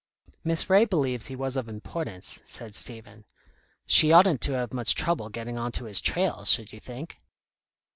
"Miss Ray believes he was of importance," said Stephen. "She oughtn't to have much trouble getting on to his trail, should you think?"